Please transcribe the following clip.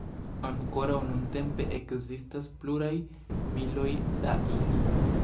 Ankoraŭ nuntempe ekzistas pluraj miloj da ili.